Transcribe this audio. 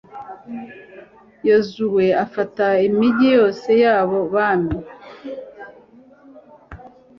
yozuwe afata imigi yose y'abo bami